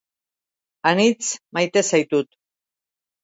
Anitz maite zaitut